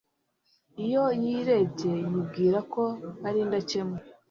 iyo yirebye yibwira ko ari indakemwa